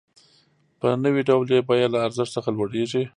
په نوي ډول یې بیه له ارزښت څخه لوړېږي